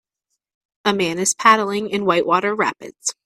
A man is paddling in whitewater rapids.